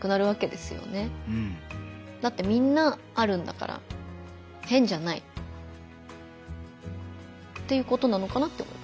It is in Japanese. だってみんなあるんだから変じゃないっていうことなのかなって思いました。